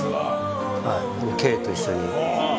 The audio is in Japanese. Ｋと一緒に。